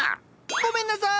ごめんなさい！